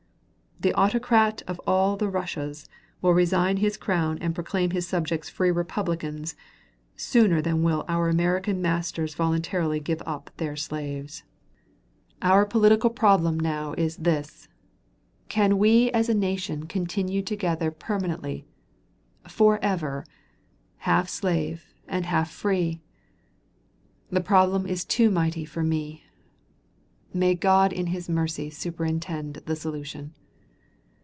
The Autocrat of all the Russias will resign his crown and proclaim his subjects free republicans, sooner than will our American masters voluntarily give up their slaves. Our political problem now is, "Can we as a nation continue together permanently forever half slave, and half free?" The problem is too mighty for me. May God in his mercy superintend the solution.